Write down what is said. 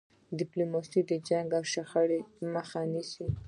ډيپلوماسي د جنګ او شخړې مخه نیسي.